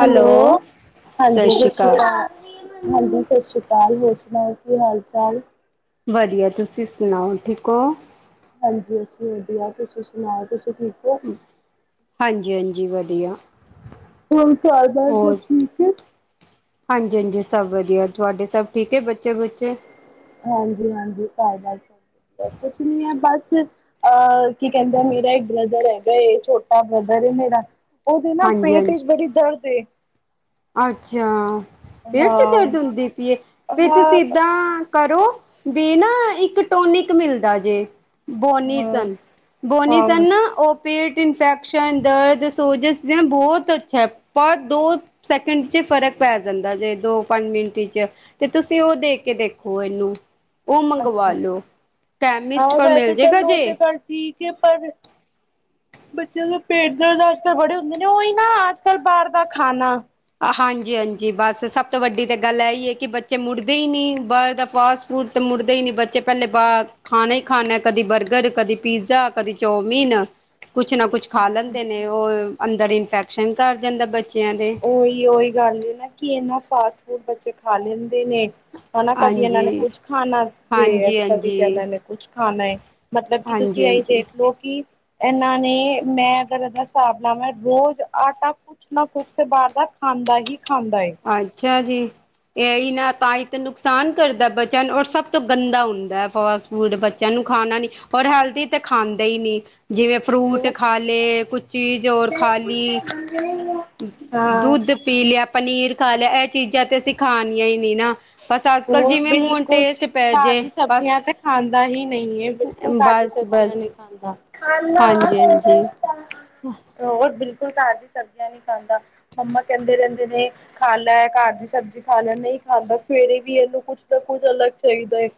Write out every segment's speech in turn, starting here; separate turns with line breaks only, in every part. Hello ਹਾਂਜੀ ਸਤਿ ਸ਼੍ਰੀ ਅਕਾਲ ਹਾਂਜੀ ਸਤਿ ਸ਼੍ਰੀ ਅਕਾਲ ਕਾਲ ਹੋਰ ਸੁਨਾਓ ਕੀ ਹਾਲ ਚਾਲ
ਵਧੀਆ ਤੁਸੀਂ ਸੁਣਾਓ ਠੀਕ ਹੋ
ਹਾਂਜੀ ਅੱਸੀ ਵਧੀਆ ਤੁਸੀਂ ਸੁਣਾਓ ਤੁਸੀ ਠੀਕ ਹੋ
ਜੈਨ ਜੀ ਵਧੀਆ
ਹੋਰ ਕਾਰ ਬਾਰ ਸਭ
ਹੋਰ
ਠੀਕ ਹੈ
ਹਾਂਜੀ ਹਾਂਜੀ ਸਭ ਵਧੀਆ ਤੁਹਾਡੇ ਸਭ ਠੀਕ ਹੈ ਬੱਚੇ ਬੁੱਚੇ
ਹਾਂਜੀ ਹਾਂਜੀ ਘਰ ਗੱਲ ਸੁਣੋ ਕੁਛ ਨੀ ਹੈ ਬਸ ਅਹ ਕੀ ਕਹਿੰਦਾ ਮੇਰਾ ਇੱਕ ਬ੍ਰਦਰ ਹੈਗਾ ਛੋਟਾ ਬ੍ਰਦਰ ਮੇਰਾ ਉਹਦੇ ਨਾ
ਹਾਂਜੀ
ਪੇਟ
ਹਾਂਜੀ
ਚ ਬੜੀ ਦਰਦ
ਅੱਛਾ ਪੇਟ ਚ
ਹਾਂ
ਦਰਦ ਹੁੰਦੀ ਪਈਏ ਫੇਰ
ਹਾਂ
ਤੁਸੀਂ ਏਦਾਂ ਕਰੋ ਬੇ ਨਾ ਇੱਕ ਟੋਨਿਕ ਮਿਲਦਾ ਜੇ
ਹਾਂ
ਬੋਨੀਸਨ
ਹਾਂ।
ਬੋਨੀਸਨ ਨਾ ਓ ਪੀ ਇਨਫੈਕਸ਼ਨ ਦਰਦ ਸੋਜਿਸ ਬਹੁਤ ਅੱਛਾ ਹੈ ਪਰ ਦੋ ਸੈਕਿੰਡ ਚ ਫ਼ਰਕ ਪੈ ਜਾਂਦਾ ਜੇ ਦੋ ਪੰਜ ਮਿੰਟ ਚ ਤੇ ਤੁਸੀਂ ਉਹ ਦੇ ਕੇ ਦੇਖੋ ਇਹਨੂੰ ਉਹ ਮੰਗਵਾ
ਅੱਛਾ ਅੱਛਾ,
ਲੋ ਕੈਮਿਸਟ
ਹਾਂ
ਕੋਲ ਮਿਲ
ਵੈਸੇ
ਜੇਗਾ
ਚਲ ਉਹ
ਜੇ
ਤੇ ਕੱਲ ਠੀਕ ਹੈ ਪਰ ਬੱਚਿਆਂ ਦਾ ਪੇਟ ਦਰਦ ਅੱਜ ਕੱਲ ਬੜੇ ਹੁੰਦੇ ਨੇ ਉਹੀ ਨਾ ਅੱਜ ਕੱਲ ਬਾਹਰ ਦਾ ਖਾਣਾ
ਹਾਂਜੀ ਹਾਂਜੀ ਬਸ ਸਭ ਤੋਂ ਵੱਡੀ ਤੇ ਗੱਲ ਇਹੀ ਹੈ ਕਿ ਬੱਚੇ ਮੁੜਦੇ ਹੀ ਨਹੀਂ ਬਾਹਰ ਦਾ ਪਾਸ ਮੁੜਦੇ ਹੀ ਨਹੀਂ ਬੱਚੇ ਪਹਿਲੇ ਬਾਹਰ ਖਾਣਾ ਹੀ ਖਾਦੇ ਕਦੀ ਬਰਗਰ ਕਦੀ ਪੀਜ਼ਾ ਕਦੀ ਚੌਮੀਨ ਕੁਛ ਨਾ ਕੁਛ ਖਾ ਲੈਂਦੇ ਨੇ ਉਹ ਅੰਦਰ ਇਨਫੈਕਸ਼ਨ ਕਰ ਜਾਂਦਾ ਬੱਚੇ
ਉਹੀ ਉਹੀ ਗੱਲ ਨਾ ਕਿ ਇਹਨਾ ਫਾਸਟ ਫੂਡ ਬੱਚੇ ਖਾ ਲੈਂਦੇ ਨੇ ਹਨਾ ਕਦੀ ਇਹਨਾਂ
ਹਾਂਜੀ
ਨੇ ਕੁਛ ਖਾਣਾ ਜੇ ਅ
ਹਾਂਜੀ
ਕਦੀ ਤਾਂ
ਹਾਂਜੀ
ਇਹਨਾਂ ਨੇ ਕੁਛ ਖਾਣਾ ਮਤਲਬ ਕੀ ਤੁਸੀਂ
ਹਾਂਜੀ
ਆਈ
ਹਾਂਜੀ
ਦੇਖਲਓ ਕਿ ਇਹਨਾਂ ਨੇ ਮੈਂ ਅਗਰ ਇਹਦਾ ਹਿਸਾਬ ਲਾਵਾਂ ਰੋਜ਼ ਆਟਾ ਕੁਛ ਨਾ ਕੁਛ ਬਾਹਰ ਦਾ ਖਾਂਦਾ ਹੀ ਖਾਂਦਾ ਏ
ਅੱਛਾ ਜੀ ਇਹੀ ਨਾ ਤਾਂ ਹੀ ਤੇ ਨੁਕਸਾਨ ਕਰਦਾ ਬੱਚਿਆਂ ਨੂੰ ਔਰ ਸਭ ਤੋਂ ਗੰਦਾ ਹੁੰਦਾ ਫਾਸਟ ਫੂਡ ਬੱਚਿਆਂ ਨੂੰ ਖਾਣਾ ਨੀ ਔਰ ਹੈਲਦੀ ਤਾਂ ਖਾਂਦੇ ਹੀ ਨਹੀਂ ਜਿਵੇਂ ਫਰੂਟ
ਹੋਰ
ਖਾ ਲਏ ਕੁਛ ਚੀਜ਼ ਹੋਰ ਖਾ ਲਈ
ਹਾਂ
ਦੁੱਧ ਪੀ ਲਿਆ ਪਨੀਰ ਖਾ ਲਿਆ ਇਹ ਚੀਜ਼ਾਂ ਤੇ ਅਸੀਂ ਖਾਣੀਆਂ ਹੀ ਨਹੀਂ ਨਾ ਬਸ ਅੱਜ ਕੱਲ
ਹੋਰ
ਜਿਵੇਂ ਮੂੰਹ
ਬਿਲਕੁਲ
ਟੇਸਟ ਪੈ
ਘਰ
ਜੇ
ਦੀ
ਬਸ
ਸਬਜ਼ੀਆਂ ਤੇ ਖਾਂਦਾ ਹੀ ਨਹੀਂ ਹੈ ਬਿਲਕੁਲ ਘਰ ਦੀ
ਬਸ ਬਸ
ਨ ਖਾਂਦਾ
ਹਾਂਜੀ ਹਾਂਜੀ
ਹੋਰ ਬੁਲ ਬਿਲੁਲ ਘਰ ਦੀ ਸਬਜ਼ੀਆਂ ਨਹੀਂ ਖਾਂਦਾ ਮੰਮਾ ਕਹਿੰਦੇ ਰਹਿੰਦੇ ਨੇ ਖਾ ਲੈ ਘਰ ਦੀ ਸਬਜ਼ੀ ਖਾ ਲੈ ਨਹੀਂ ਖਾਂਦਾ ਸਵੇਰੇ ਵੀ ਇਹਨੂੰ ਕੁੱਛ ਨਾ ਕੁੱਝ ਅਲੱਗ ਚਾਹੀਦਾ ਏ।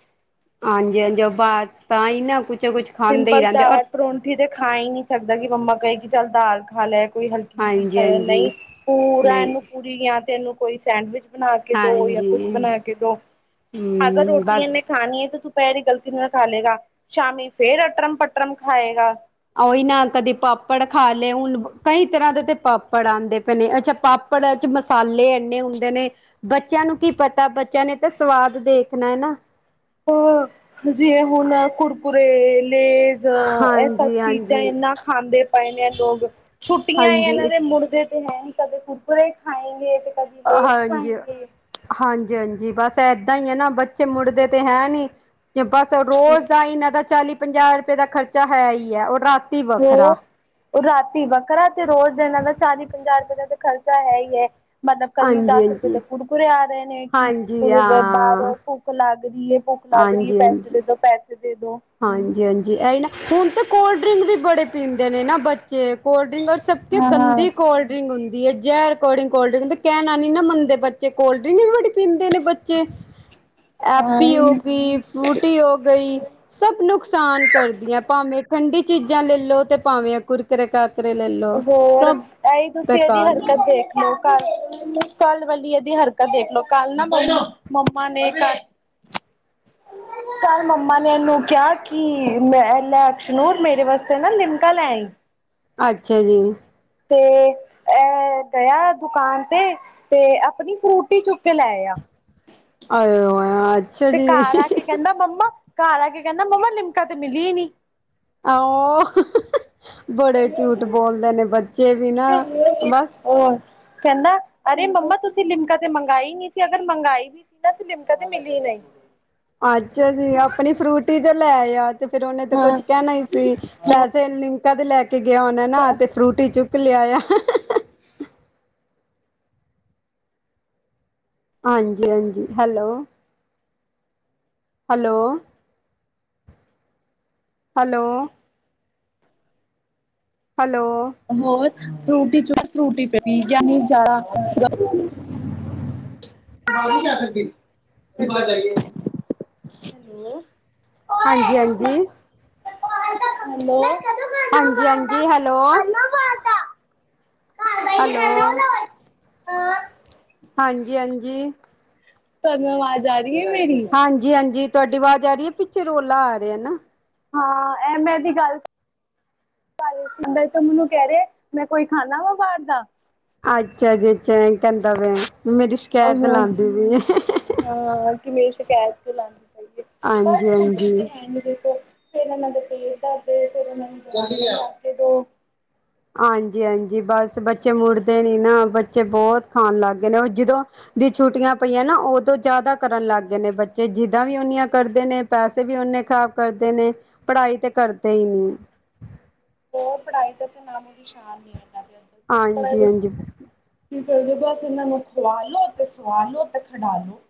ਹਾਂਜੀ-ਹਾਂਜੀ ਉਹ ਬਾਅਦ ਤਾਂ ਹੀ ਨਾ ਕੁਛ- ਕੁਛ ਖਾਂਦੇ ਹੀ
ਸਿੰਪਲ
ਰਹਿੰਦੇ
ਤਾਂ
ਔਰ
ਏ ਪਰੌਂਠੀ ਤੇ ਖਾ ਹੀ ਨਹੀਂ ਸਕਦਾ ਕਿ ਮੰਮਾ ਕਹੇ ਕਿ ਚੱਲ ਦਾਲ ਖਾ ਲੈ। ਕੋਈ ਹਲਕੀ ਜਿਹੀ ਚੀਜ਼
ਹਾਂਜੀ
ਖਾਲਾ
ਹਾਂਜੀ
ਨਈ, ਪੂਰਾ
ਨਹੀਂ
ਇਹਨੂੰ ਪੂਰੀ ਜਾਂ ਤੇ ਇਹਨੂੰ ਕੋਈ ਸੈਂਡਵਿਚ ਬਣਾ ਕੇ ਦੋ, ਜਾਂ ਕੁਛ
ਹਾਂਜੀ
ਬਣਾ ਕੇ ਦੋ, ਅਗਰ
ਹੂੰ
ਰੋਟੀ
ਬਸ
ਇਹਨੇ ਖਾਣੀ ਏ ਤੇ ਤੂੰ ਪੈਰੀ ਗਲਤੀ ਨਾਲ ਖਾ ਲਏਗਾ। ਸ਼ਾਮੀ ਫੇਰ ਅਟਰਮ ਪਟਰਮ ਖਾਏਗਾ।
ਉਹੀ ਨਾ ਕਦੇ ਪਾਪੜ ਖਾ ਲਏ, ਹੁਣ ਕਈ ਤਰ੍ਹਾਂ ਦੇ ਤੇ ਪਾਪੜ ਆਂਦੇ ਪਏ ਨੇ, ਅੱਛਾ ਪਾਪ ਪਾਪੜ੍ਹਾਂ ਚ ਮਸਾਲੇ ਇੰਨੇ ਹੁੰਦੇ ਨੇ, ਬੱਚਿਆਂ ਨੂੰ ਕੀ ਪਤਾ ਬੱਚਿਆਂ ਨੇ ਤਾਂ ਸਵਾਦ ਦੇਖਣਾ ਐ, ਨਾ
ਆ, ਜੇ ਹੁਣ ਐ ਕੁਰਕੁਰੇ ਲੈਜ਼, ਇਹ ਸਭ
ਹਾਂਜੀ
ਚੀਜ਼ਾਂ
ਹਾਂਜੀ
ਇਨਾ ਖਾਂਦੇ ਪਏ ਨੇ, ਏ ਲੋਕ ਛੁੱਟੀਆਂ ਇਹਨਾਂ
ਹਾਂਜੀ
ਦੇ ਮੁੜ ਦੇ ਮੁੜਦੇ ਹੈ ਨੀ ਕਦੇ ਕੁਰਕੁਰੇ ਖਾਏਗੇ ਤੇ ਕਦੀ ਲੇਜ਼
ਹਾਂਜੀ,
ਖਾਏਂਗੇ
ਹਾਂਜੀ, ਹਾਂਜੀ। ਜੀ ਬਸ ਏਦਾਂ ਈ ਹੈ ਨਾ ਬੱਚੇ ਮੁੜਦੇ ਤੇ ਹੈ ਨੀ ਬਸ ਰੋਜ਼ ਦਾ ਇਨਾ ਦਾ ਚਾਲੀ ਪੰਜਾਹ ਰੁਪਏ ਦਾ ਖਰਚਾ, ਹੈ ਹੀ ਏ ਉਹ ਰਾਤ
ਹੋ, ਰਾਤੀ ਵੱਖਰਾ ਤੇ ਰੋਜ਼ ਦਾ ਇਹਨਾਂ ਦਾ ਚਾਲੀ ਪੰਜਾਹ ਰੁਪਏ ਦਾ ਖਰਚਾ ਹੈ ਹੀ ਐ, ਮਤਲਬ ਕਦੀ
ਹਾਂਜੀ
ਦਸ ਰੁਪਏ
ਹਾਂਜੀ
ਦੇ ਕੁਰਕੁਰੇ ਆ ਰਹੇ। ਨੇ, ਕਿ
ਹਾਂਜੀ ਹਾਂ
ਬਾਹਰੋਂ ਭੁੱਖ ਲੱਗ ਰਹੀ ਏ, ਭੁੱਖ ਲੱਗ ਰਹੀ ਏ। ਪੈਸੇ ਦੇਦੋ ਪੈਸੇ ਦੇ ਦੋ
ਹਾਂਜੀ, ਹਾਂਜੀ ਇਹੀ ਨਾ, ਹੁਣ ਤਾਂ ਕੋਲਡ ਡਰਿੰਕ ਵੀ ਬੜੇ ਪੀਂਦੇ ਨੇ, ਨਾ ਬਚ - 'ਤੇ ਕੋਲਡ ਡਰਿੰਕ ਔਰ ਸਭ ਕੇ
ਹਾਂ
ਗੰਦੀ ਕੋਲਡ ਡ੍ਰਿੰਕ ਹੁੰਦੀ ਹੁੰਦੀ ਏ ਜੈਰ ਕੌੜੀ ਕੋਲਡ ਡਰਿੰਕ 'ਤੇ ਕਹਿਣਾ ਨੀ ਨਾ ਮੰਨਦੇ ਬੱਚੇ, ਕੋਲਡ ਡਰਿੰਕ ਵੀ ਬੜੀ ਪੀਂਦੇ ਨੇ, ਬੱਚੇ
ਹ [inaudible]
ਐਪੀ ਹੋ ਗਈ, ਫਰੂਟੀ ਹੋ ਗਈ। ਸਭ ਨੁਕਸਾਨ ਕਰਦੀਆਂ, ਭਾਵੇਂ ਠੰਡੀ ਚੀਜ਼ਾਂ ਲੈ ਲਓ। 'ਤੇ ਭਾਵੇਂ ਕੁਰਕਰੇ ਕਰ-
ਹੋਰ, ਐਹੀ ਤੁਸੀਂ ਇਹਦੀ
ਬੇਕਾਰ ਨੇ
ਹਰਕਤ ਦੇਖ ਲਓ। ਕਲ੍ਹ, ਕਲ੍ਹ ਵਾਲੀ ਇਹਦੀ ਹਰਕਤ ਦੇਖ ਲੋ, ਕੱਲ ਨਾ ਮੰਮਾ, ਮੰਮਾ ਨੇ। [inaudible] [inaudible] ਕੱਲ ਮੰਮਾ ਨੇ ਇਹਨੂੰ ਕਿਹਾ, ਕਿ ਮੈਂ ਲੈ ਅਕਸ਼ਨੂਰ ਮੇਰੇ ਵਾਸਤੇ ਨਾ ਲਿਮਕਾ ਲੈ। ਆਈ।
ਅੱਛਾ ਜੀ।
'ਤੇ ਏ। ਏ, ਗਿਆ ਦੁਕਾਨ ਤੇ, ਤੇ ਆਪਣੀ ਫਰੂਟੀ ਚੁੱਕ ਕੇ ਲੈ ਆਇਆ।
ਆਏ ਹੋਏ ਅੱਛਾ
ਤੇ
ਜੀ
ਘਰ ਆ ਕੇ ਕਹਿੰਦਾ, ਮੰਮਾ। ਘਰ ਆ ਕੇ ਕਹਿੰਦਾ। ਮੰਮਾ ਲਿਮਕਾ 'ਤੇ ਮਿਲੀ ਨੀ।
ਆਹੋ। ਬੜੇ ਝੂਠ ਬੋਲਦੇ ਨੇ, ਬੱਚੇ ਵੀ ਨਾ ਬਸ।
ਹੋਰ ਕਹਿੰਦਾ, ਅਰੇ ਮੰਮਾ ਤੁਸੀਂ ਲਿਮਕਾ 'ਤੇ ਮੰਗਾਈ ਨਹੀਂ ਸੀ, ਅਗਰ ਮੰਗਾਈ ਵੀ ਸੀ, ਨਾ ਲਿਮਕਾ 'ਤੇ ਮਿਲੀ ਨਹੀਂ।
ਅੱਛਾ ਜੀ, ਆਪਣੀ ਫਰੂਟੀ 'ਤੇ ਲੈ ਆ। 'ਤੇ ਫ਼ਿਰ ਉਹਨੇ ਤਾਂ
ਹਾਂ
ਕੁਛ ਕਹਿਣਾ ਹੀ ਸੀ, ਪੈਸੇ ਲਿੰਮਕਾ ਦੇ ਲੈ ਕੇ ਗਿਆ ਹੋਣਾ ਨਾ 'ਤੇ ਫਰੂਟੀ ਚੂ ਕ ਚੁੱਕ ਲਿਆਇਆ। ਹਾਂਜੀ, ਹਾਂਜੀ ਹੈਲੋ। ਹੈਲੋ, ਹੈਲੋ, ਹੈਲੋ,
ਹੋਰ ਫਰੂਟੀ ਚੁੱਕ ਫਰੂਟੀ ਫਿਰ ਪੀ ਗਿਆ ਨੀ ਜ਼ਿਆਦਾ ਤੂੰ ਬਾਹਰ ਨੀ ਜਾ ਸਕਦੀ, ਕੇ ਬਾਹਰ ਜਾਈਏ, ਹੈਲੋ
ਹਾਂਜੀ-ਹਾਂਜੀ,
ਹੈਲੋ,
ਹਾਂਜੀ ਹੈਲੋ ਹੈਲੋ,
ਅ
ਹਾਂਜੀ ਹਾਂਜੀ
ਤਾਂ ਮੈਂ ਆ ਜਾ [unintelligible]
ਹਾਂਜੀ ਹਾਂਜੀ ਤੁਹਾਡੀ ਆਵਾਜ਼ ਆ ਰਹੀ ਹੈ ਪਿੱਛੇ ਰੋਲਾ ਆ ਰਿਹਾ ਨਾ
ਹਾਂ ਐਵੇੈਂ ਦੀ ਗੱਲ ਤ ਮੈਨੂੰ ਕਹਿ ਰਹੇ ਮੈਂ ਕੋਈ ਖਾਂਦਾ ਵਾ ਬਾਹਰ ਦਾ
ਅੱਛਾ ਜੇ ਚੇਨ ਕਹਿੰਦਾ ਪਿਆ ਮੇਰੀ ਸ਼ਿਕਾਇਤ
ਦਾ
ਲਾਉਂਦੀ ਵੀਈ
ਹਾਂ ਕਿ ਮੇਰੀ ਸ਼ਿਕਾਇਤ ਕਿਉ ਲਾਉਣੀ ਚਾਹੀਏ
ਹਾਂਜੀ ਹਾਂਜੀ
ਬ ਤੇ ਦੇਖੋ ਫੇਰ ਉਹਨਾਂ ਦੇ ਪੇਰ ਦਾਰਦੇ ਫਿਰ ਉਹਨਾਂ ਨੂੰ ਦਗੇ ਦੋ
ਹਾਂਜੀ ਹਾਂਜੀ ਬਸ ਬੱਚੇ ਮੁੜਦੇ ਨੀ ਨਾ ਬੱਚੇ ਬਹੁਤ ਖਾਣ ਲੱਗ ਗਏ ਨੇ ਉਹ ਜਦੋਂ ਦੀ ਛੁੱਟੀਆਂ ਪਈਆਂ ਨਾ ਉਦੋਂ ਜ਼ਿਆਦਾ ਕਰਨ ਲੱਗ ਗਏ ਨੇ ਬੱਚੇ ਜਿੱਦਾਂ ਵੀ ਓਨੀਆਂ ਕਰਦੇ ਨੇ ਪੈਸੇ ਵੀ ਨੇ ਖ਼ਰਾਬ ਕਰਦੇ ਨੇ ਪੜ੍ਹਾਈ ਤੇ ਕਰਦੇ ਹੀ ਨਹੀਂ
ਉਹ ਪੜ੍ਹਾਈ ਤੇ ਤੇ ਨਾਮ ਦੀਸ਼ਾਨ ਨਹੀਂ ਹੈ
ਹਾਂਜੀ ਹਾਂਜੀ
ਫਗਭ ਫਨੂੰ ਖੁਆਲੋ ਅਤੇ ਸੁਆਲੋ ਤਾਂ ਖਡਾਲ ਲੋ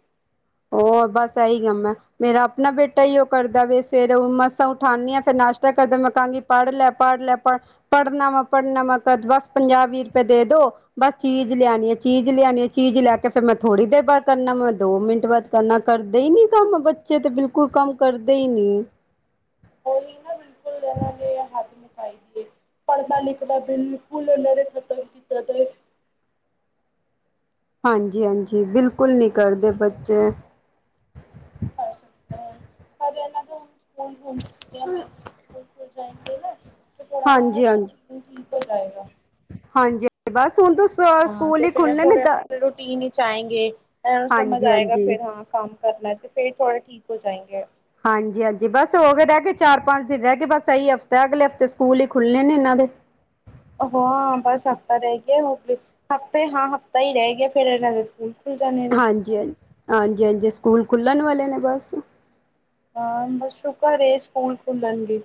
ਉਹ ਬਸ ਇਹੀ ਕੰਮ ਹੈ ਮੇਰਾ ਆਪਣਾ ਬੇਟਾ ਈਉਹ ਕਰਦਾ ਵੇ ਸਵੇਰੇ ਮਸਾਂ ਉਠਾਉਂਦੀ ਫਿਰਸ਼ ਕਰ ਮੈਂ ਕਾਂਗੀ ਪੜ੍ਹ ਲੈ ਪੜ੍ਹ ਲੈ ਪੜ ਪੜ੍ਹਨਾ ਵਾ ਪੜ੍ਹਨਾ ਵਾ ਕਰ ਬਸ ਪੰਜਾਹ ਵੀਹ ਰੁਪਏ ਦੇ ਦੋ ਬਸ ਚੀਜ਼ ਲਿਆਉਣੀ ਆ ਚੀਜ਼ ਲਿਆਣੀ ਚੀਜ਼ ਲਿਆ ਕੇ ਫਿਰ ਮੈਂ ਥੋੜੀ ਦੇਰ ਬਾਅਦ ਕਰਨਾ ਮੈਂ ਦੋ ਮਿੰਟ ਬਾਤ ਕਰਨਾ ਕਰਦੇ ਹੀ ਨੀ ਕੰਮ ਬੱਚੇ ਤਾਂ ਬਿਲਕੁਲ ਕੰਮ ਕਰਦੇ ਹੀ ਨੀ
ਹੋਲੀ ਨਾ ਬਿਲਕੁਲ ਦੇਣਾਗੇ ਹ ਪੜਨਾਂ, ਲਿਖਣਾ, ਬਿਲਕੁਲ ਉਹਨਾਂ ਨੇ ਖਤਮ ਕੀਤਾ ਤੇ [unintelligible]
ਹਾਂਜੀ--ਹਾਂਜੀ ਬਿਲਕੁਲ ਨੀ ਕਰਦੇ ਬੱਚੇ।
ਅਛ ਹ [inaudible] ਇਹਨਾਂ ਤੋਂ ਹੁਣ ਸਕੂਲ ਹੁਣ ਤੇ ਛੁਕੀਆਂ ਪੈਦੀਆਂ ਸਕੂਲ ਖ ਜਾਏਗੇ ਨਾ [inaudible] ਦਾ
ਹਾਂਜੀ- ਹਾਂਜੀ?
ਰੂਟੀਨ ਠੀਕ ਹੋ ਜਾਏਗਾ?
ਹਾਂਜੀ, ਬਸ ਹੁਣ ਤੋਂ
ਹਾਂ
ਸਕੂਲ
ਤੇ
ਹੀ
ਫੇਰ
ਖੁੱਲਣੇ ਨੇ
ਐ ਸਮਝ
ਹਾਂਜੀ
ਆਏਗਾ,
ਹਾਂਜੀ
ਫਿਰ ਹਾਂ ਕੰਮ ਕਰਨਾ, ਤੇ ਫਿਰ ਥੋੜੇ ਠੀਕ ਹੋ ਜਾਏਂਗੇ।
ਹਾਂਜੀ ਹਾਂਜੀ ਬਸ ਹੋ ਗਏ ਰਹਿ ਗਏ ਚਾਰ ਪੰਜ ਦਿਨ, ਰਹਿ ਗਏ ਬਸ ਇਹੀ ਹਫ਼ਤਾ, ਅਗਲੇ ਹਫ਼ਤੇ ਸਕੂਲ ਹੀ ਖੁਲਣੇ ਨੇ ਇਹਨਾਂ ਹ [inaudible]
ਹਾਂ ਬਸ ਹਫ਼ਤਾ, ਰਹਿ ਗਿਆ ਹਫ਼ਤੇ ਹਾਂ ਹਫ਼ਤਾ ਹੀ ਰਹਿ ਗਿਆ ਫਿਰ ਇਹਨਾਂ ਦੇ ਸਕੂਲ। ਖੁੱਲ ਜਾਣੇ ਨੇ।
ਹਾਂਜੀ, ਹਾਂਜੀ--ਹਾਂਜੀ ਸਕੂਲ ਖੁੱਲਣ ਵਾਲੇ ਨੇ ਬੱਸ।
ਹਾਂ, ਬਸ ਸ਼ੁਕਰ ਏ, ਸਕੂਲ ਖੁੱਲਣਗੇ।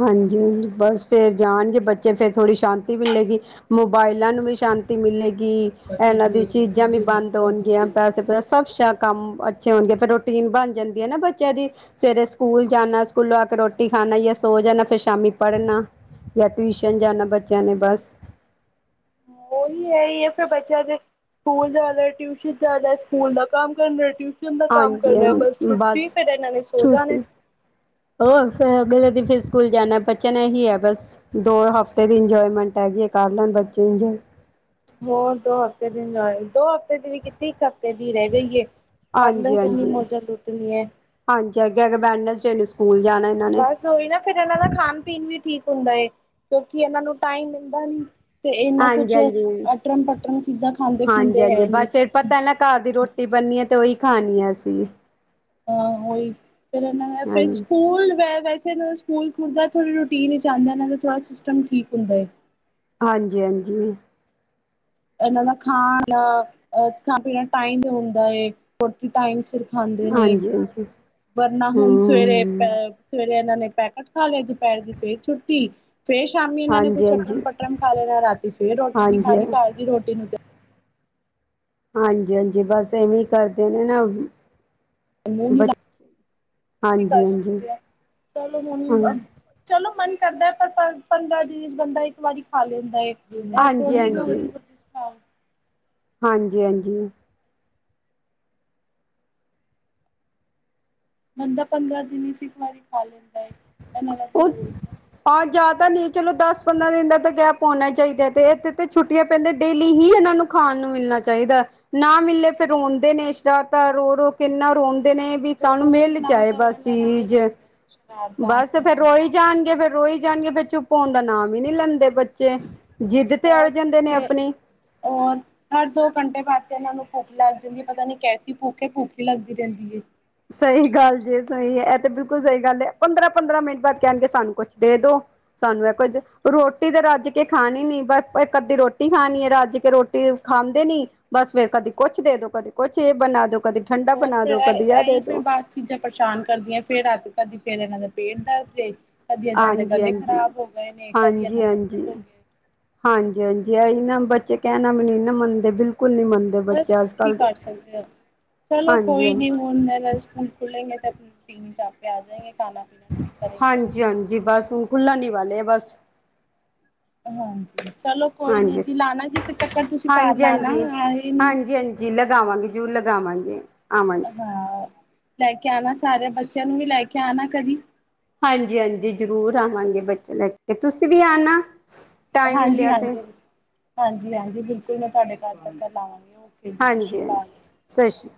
ਹਾਂਜੀ ਬਸ ਫੇਰ ਜਾਣਗੇ ਬੱਚੇ ਫੇਰ ਥੋੜ੍ਹੀ ਸ਼ਾਂਤੀ ਮਿਲੇਗੀ ਮੋਬਾਇਲਾਂ ਨੂੰ ਵੀ ਸ਼ਾਂ ਸ਼ਾਂਤੀ ਮਿਲੇਗੀ ਇਹਨਾਂ ਦੀ ਚੀਜ਼ਾਂ ਵੀ ਬੰਦ ਹੋਣਗੀਆਂ ਪੈਸੇ ਪੈਸੇ ਸਭ ਸ਼ਛ ਕੰਮ ਅੱਛੇ ਹੋਣਗੇ ਫਿਰ ਰੋਟੀਨ ਬਣ ਜਾਂਦੀ ਹੈ ਨਾ ਬੱਚਿਆਂ ਦੀ ਸਵੇਰੇ ਸਕੂਲ ਜਾਣਾ ਸਕੂਲੋਂ ਆ ਕੇ ਰੋਟੀ ਖਾਣਾ ਜਾਂ ਸੋ ਜਾਣਾ ਫਿਰ ਸ਼ਾਮੀ ਪੜ੍ਹਨਾ ਜਾਂ ਟਿਊਸ਼ਨ ਜਾਣਾ ਬੱਚਿਆਂ ਨੇ ਬਸ
ਉਹੀ ਹੈ ਹੀ ਹੈ ਫਿਰ ਬਚਿਆ ਦੇ ਸਕੂਲ, ਜਾ ਕੇ, ਟਿਊਸ਼ਨ ਜਾਂਦਾ ਸੀ, ਸਕੂਲ, ਦਾ ਕੰਮ ਕਰਦਾ ਸੀ।
ਹਾਂਜੀ--ਹਾਂਜੀ ਬਸ
ਇਹਨਾਂ ਨੇ ਸੋ
ਛੁਟੀ
ਜਾਣੇ।
ਹੋਰ, ਫਿਰ ਅਗਲੇ ਦਿਨ ਫਿਰ ਸਕੂਲ ਜਾਣਾ ਬੱਚਿਆਂ ਨੇ ਹੀ ਹੈ ਬਸ ਦੋ ਹਫ਼ਤੇ ਦੀ ਇੰਜੋਏਮੈਂਟ ਹੈਗੀ ਹੈ ਕਰ ਲੈਣ ਬੱਚੇ ਇੰਜਏ
ਦੋ, ਦੋ ਹਫਤੇ ਦਿਨ ਲਾ ਆਈ? ਛੁੱਟੀ, ਵੀ ਇੱਕ ਹਫ਼ਤੇ, ਦੀ ਰਹਿ ਗਈ ਏ ਕਰ
ਹਾਂਜੀ
ਲਉ ਜਿੰਨੀ ਮੌਜਾਂ ਲੁੱਟਣੀ ਐ।
ਜਗ ਬੈਡ [unintelligible]
ਬਸ, ਓਹੀ ਨਾ ਫਿਰ ਇਹਨਾਂ ਦਾ ਖਾਣ ਪੀਣ ਵੀ ਠੀਕ ਹੁੰਦਾ ਏ, ਕਿਉਂਕਿ ਇਹਨਾਂ ਨੂੰ ਟਾਈਮ, ਮਿਲਦਾ ਨਈ। ਤੇ ਇਨਾ
ਹਾਂਜੀ
ਕੁਛ,
ਹਾਂਜੀ
ਅਟਰਨ--ਪਟਰੱਮ ਚੀਜ਼ਾਂ ਖਾਂਦੇ
ਹਾਂਜੀ
ਖੁਦੇ, ਹੈ ਨਈ।
ਪਣੀਆਂ, ਤੇ ਉਹੀ ਖਣੀਆਂ ਅਸੀਂ।
ਹਾਂ ਉਹੀ,, ਫਿਰ ਇਹਨਾਂ ਨੇ ਫਿਰ
ਹਾਂਜੀ
ਸਕੂਲ ਵ ਜਦੋਂ ਸਕੂਲ ਖੁੱਲਦਾ ਥੋੜ੍ਹੀ ਰੋਟੀਨ ਵਿੱਚ ਆਦਾ ਥੋੜਾ ਸਿਸਟਮ ਠੀਕ ਹੋਂ ਜਾਏ।
ਹਾਂਜੀ--ਹਾਜ਼ੀ?
ਇਹਨਾਂ ਦੇ ਖਾਣ--ਪੀਣ ਦਾ ਟਾਈਮ ਹੁੰਦਾ ਏ। ਫਿਰ ਖਾਂਦੇ ਨੇ
ਹਾਂਜੀ ਹਾਂਜੀ
ਵਰਨਾ ਹੁਣ ਸਵੇਰੇ
ਹਮ
ਸਵੇਰੇ ਇਹਨਾਂ ਨੇ ਪੈਕੇਟ ਖਾ ਲਿਆ ਦੁਪਹਿਰ ਦੀ ਫੇਰ ਛੁੱਟੀ ਫੇਰ, ਸ਼ਾਮੀ ਇਹਨਾਂ ਨੇ
ਹਾਂਜੀ
ਕੁੱਛ ਅੱਟਰਮ
ਹਾਂਜੀ
ਪੱਟਰਮ ਖਾ ਲੈਣਾ ਰਾਤੀ ਫੇਰ ਰੋਟੀ ਨੀ
ਹਾਂਜੀ
ਖਾਣੀ, ਘਰ ਦੀ ਰੋਟੀ ਨੂੰ
ਹਾਂਜੀ ਹਾਂਜੀ ਬਸ ਇਵੇਂ ਕਰਦੇ ਨੇ ਨਾ ਬ
ਕੀਕ
ਹਾਂਜੀ ਹਾਂਜੀ
ਸ਼ੁਕਆ ਚਲੋ ਹੁਣ
ਹਾਂਜੀ
ਚਲੋ ਮਨ [inaudible] ਕਰਦਾ ਹੈ ਪਰ ਪੰਦਰਾਂ ਦਿਨ, ਚ ਬੰਦਾ ਇੱਕ ਵਾਰੀ ਖਾ, ਲੈਂਦਾ ਏ? ਇਹ
ਹਾਂਜੀ
ਥੋੜੀ ਖਾਈ ਜਾਓ [inaudible]
ਹਾਂਜੀ--ਹਾਂਜੀ?
ਬੰਦਾ, ਪੰਦਰਾਂ ਦਿਨ ਚ ਇੱਕ ਵਾਰੀ ਖਾ ਲੈਂਦਾ ਹੈ?
ਉਹ ਪੰਜ ਜ਼ਿਆਦਾ ਨਹੀਂ ਚਲੋ ਦਸ? ਪੰਦਰਾਂ ਦਿਨ ਦਾ ਤਾਂ ਗੈਪ ਪਉਣਾ ਚਾਹੀਦਾ, ਤੇ ਇਥੇ ਤੇ ਛੁੱਟੀਆਂ ਪੈਂਦੀ ਡੇਲੀ ਹੀ, ਇਹਨਾਂ ਨੂੰ ਖਾਣ, ਨੂੰ ਮਿਲਣਾ ਚਾਹੀਦਾ। ਨਾ ਮਿਲੇ, ਫਿਰ ਰੋਂਦੇ ਨੇ, ਸ਼ਰਾਰਤ ਰੋ ਰੋ ਕਿੰਨਾ ਰੋਣ ਕਹਿੰਦੇ? ਨੇ, ਵੀ ਸਾਨੂੰ
ਚਲੋ
ਮਿਲ
ਨਾ
ਜਾਏ
ਦਵੋ
ਬਸ
ਇਹਨਾਂ ਨੂੰ ਤੇ
ਚੀਜ਼?
ਰੋਂਦੇ ਨੇ ਸ਼ਰਾਰਤਾਂ
ਬਸ,
ਫਿਰ ਹੋ
ਫੇਰ ਰੋਈ
ਜਾਂਦੀਆਂ
ਜਾਣਗੇ
ਨੇ।
ਫੇਰ ਰੋਈ ਜਾਣਗੇ। ਫੇਰ ਚੁੱਪ ਹੋਣ ਦਾ ਨਾਮ ਹੀ ਨਹੀਂ ਲੈਂਦੇ। ਬੱਚੇ ਜਿੱਦ ਤੇ ਅੜ
ਹੋਰ
ਜਾਂਦੇ ਨੇ
ਫਿਰ
ਆਪਣੀ
ਔਰ ਹਰ ਦੋ ਘੰਟੇ ਵਾਸਤੇ ਇਹਨਾਂ ਨੂੰ? ਭੁੱਖ ਲੱਗ ਜਾਂਦੀ ਏ, ਪਤਾ ਨੀ ਕੈਸੀ ਭੁੱਖ, ਭੁੱਖ ਲੱਗੀ ਰਹਿੰਦੀ ਏ?
ਸਹੀ ਗੱਲ ਜੇ, ਸਹੀ ਇਹ ਤੇ ਬਿਲਕੁਲ ਸਹੀ ਗੱਲ ਹੈ ਪੰਦਰਾਂ ਪੰਦਰਾਂ ਮਿੰਟ ਬਾਅਦ ਕਹਿਣਗੇ ਸਾਨੂੰ ਕੁਛ ਦੇ ਦੋ? ਸਾਨੂੰ ਇਹ ਕੁੱਝ, ਰੋਟੀ ਤਾਂ ਰੱਜ ਕੇ ਖਾਣੀ ਨਈ, ਬਸ ਇੱਕ ਅੱਧੀ ਰੋਟੀ ਖਾਣੀ ਏ -ਰੱਜ ਕੇ ਰੋਟੀ ਖਾਂਦੇ ਨੀ ਬਸ ਫੇਰ ਕਦੇ ਕੁਛ ਦੇ ਦੋ ਕਦੇ ਕੁਛ ਇਹ ਬਣਾ ਦੋ ਕਦੇ ਠੰਡਾ
ਹੋਰ
ਬਣਾ
ਫਿਰ
ਦੋ ਕਦੀ ਯਾਰ
ਇਹੀ ਫਿਰ ਬਾਅਦ ਚੀਜ਼ਾਂ ਪਰੇਸ਼ਾਨ ਕਰਦੀਆਂ ਫੇਰ [unintelligible] ਫਿਰ ਇਹਨਾਂ ਦੇ ਪੇਟ ਦਰਦ ਕਦੀ ਇਦਾਂ ਦੇ
ਹਾਂਜੀ
ਗਲੇ
ਹਾਂਜੀ
ਖ਼ਰਾਬ ਹੋ ਗਏ ਨੇ ਕਦੀ
ਹਾਂਜੀ
ਇਹਨਾਂ ਨੂੰ ਕੁਛ
ਹਾਂਜੀ
ਹੋ ਗਿਆ
ਹਾਂਜੀ ਹਾਂਜੀ ਆਹੀ ਨਾ ਬੱਚੇ ਕਹਿਣਾ ਵੀ ਨਹੀਂ ਨਾ ਮੰਨਦੇ ਬਿਲਕੁਲ ਨੀ ਮੰਨਦੇ
ਬਸ
ਬੱਚੇ ਅੱਜ
ਕੀ
ਕੱਲ੍ਹ ਦੇ
ਕਰ ਸਕਦੇ ਹੋ ਚਲੋ
ਹਾਂਜੀ
ਕੋਈ
ਹਾਂਜੀ
ਨੀ ਹੁਣ ਸਕੂਲ ਖੁੱਲੇਗੇ ਤੇ ਦਿਨ ਚ ਆਪੇ ਆ ਜਾਣਗੇ
ਹਾਂਜੀ ਹਾਂਜੀ ਬਸ ਹੁਣ ਖੁੱਲਣ ਹੀ ਵਾਲੇ ਬਸ
ਹਾਂਜੀ ਚਲੋ ਕੋਈ ਨੀ
ਹਾਂਜੀ
ਜੀ ਲਾਣਾ ਜੀ ਇੱਕ ਚੱਕਰ ਤੁਸੀਂ ਘਰ
ਹਾਂਜੀ
ਲਾਣਾ
ਹਾਂਜੀ
ਆਏ ਨੀ
ਜਰੂਰ ਆਵਾਂਗੇ
ਹਾਂ ਲੈ ਕੇ ਆਣਾ ਸਾਰਿਆਂ ਬੱਚਿਆਂ ਨੂੰ ਵੀ ਲੈ ਕੇ ਆਣਾ ਕਦੀ
ਹਾਂਜੀ ਹਾਂਜੀ ਜ਼ਰੂਰ ਆਵਾਂਗੇ ਬੱਚੇ ਲੈ ਕੇ ਤੁਸੀਂ ਵੀ ਆਣਾ ਟਾਈਮ
ਹਾਂਜੀ
ਮਿਲਿਆ ਤੇ
ਹਾਂਜੀ ਹਾਂਜੀ ਹਾਂਜੀ ਬਿਲਕੁਲ ਮੈਂ ਤੁਹਾਡੇ ਘਰ ਤੱਕ ਲਾਵਾਂਗੀ ਓਕੇ ਜੀ, ਸਤਿ ਸ੍ਰੀ
ਹਾਂਜੀ ਹਾਂਜੀ
ਅਕਾਲ।
ਸਤਿ ਸ਼੍ਰੀ